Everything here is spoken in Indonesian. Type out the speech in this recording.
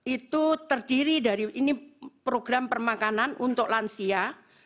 itu terdiri dari ini program permakanan untuk lansia